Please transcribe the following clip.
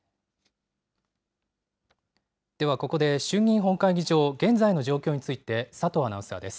ではここで、衆議院本会議場、現在の状況について、佐藤アナウンサーです。